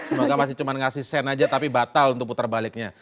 semoga masih cuma ngasih sen aja tapi batal untuk putar baliknya